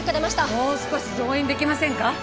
もう少し増員できませんか？